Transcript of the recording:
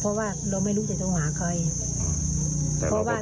เพราะว่าเราไม่รู้จะโทรหาใครแต่เราก็ผิดหวัง